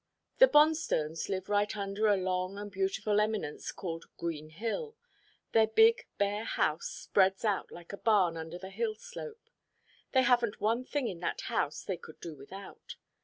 The Bonstones live right under a long and beautiful eminence called Green Hill. Their big, bare house spreads out like a barn under the hill slope. They haven't one thing in that house they could do without.